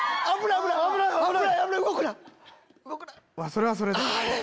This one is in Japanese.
それはそれで。